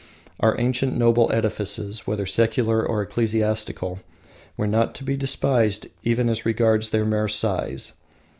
Our ancient noble edifices, whether secular or ecclesiastical, were not to be despised even as regards their mere size.